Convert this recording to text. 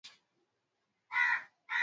Ninasoma.